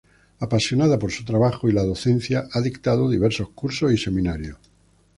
Apasionada por su trabajo y la docencia, ha dictado diversos cursos y seminarios.